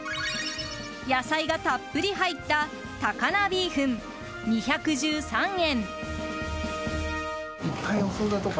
野菜がたっぷり入った高菜ビーフン、２１３円。